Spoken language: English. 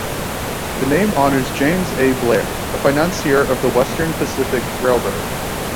The name honors James A. Blair, a financier of the Western Pacific Railroad.